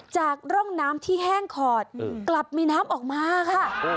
จากร่องน้ำที่แห้งขอดกลับมีน้ำออกมาค่ะ